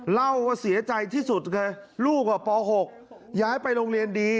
เล่าว่าเสียใจที่สุดเลยลูกป๖ย้ายไปโรงเรียนดี